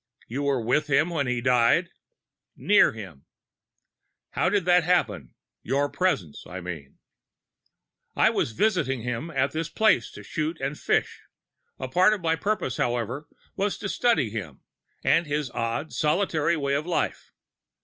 "You were with him when he died?" "Near him." "How did that happen your presence, I mean?" "I was visiting him at this place to shoot and fish. A part of my purpose, however, was to study him, and his odd, solitary way of life.